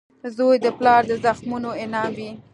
• زوی د پلار د زحمتونو انعام وي.